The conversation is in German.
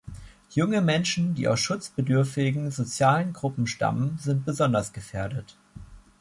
Junge Menschen, die aus schutzbedürftigen sozialen Gruppen stammen, sind besonders gefährdet.